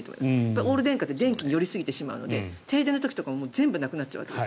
オール電化って電気に寄りすぎてしまうので停電の時って全部なくなっちゃうわけです。